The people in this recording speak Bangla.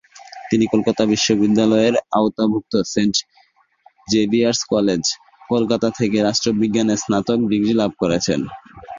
তিনি কলকাতা বিশ্ববিদ্যালয়ের আওতাভুক্ত সেন্ট জেভিয়ার্স কলেজ, কলকাতা থেকে রাষ্ট্রবিজ্ঞানে স্নাতক ডিগ্রি লাভ করেছেন।